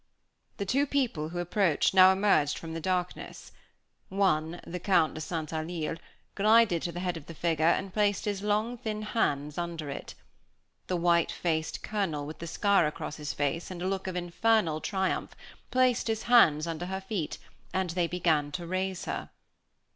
The two people who approached now emerged from the darkness. One, the Count de St. Alyre, glided to the head of the figure and placed his long thin hands under it. The white faced Colonel, with the scar across his face, and a look of infernal triumph, placed his hands under her feet, and they began to raise her.